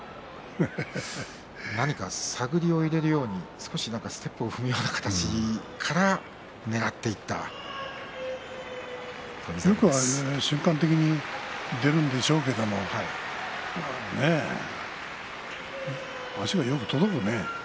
何か探りを入れるようにステップを踏むような形からよく瞬間的に出るんでしょうけれど足がよく届くね。